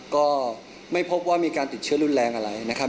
ก็ไม่พบว่ามีการติดเชื้อรุนแรงอะไรนะครับ